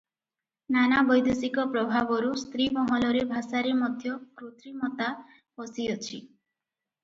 ନାନା ବୈଦେଶିକ ପ୍ରଭାବରୁ ସ୍ତ୍ରୀମହଲରେ ଭାଷାରେ ମଧ୍ୟ କୃତ୍ରିମତା ପଶିଅଛି ।